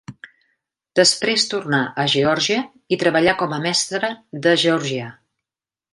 Després tornà a Geòrgia i treballà com a mestre de georgià.